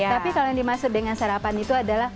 tapi kalau yang dimaksud dengan sarapan itu adalah